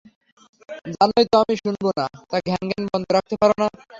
জানোই তো আমি শুনবো না, তা ঘ্যানঘ্যান বন্ধ রাখতে পারো না।